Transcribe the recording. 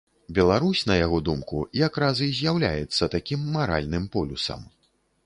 Беларусь, на яго думку, якраз і з'яўляецца такім маральным полюсам.